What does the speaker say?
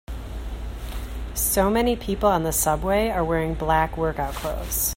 So many people on the subway are wearing black workout clothes.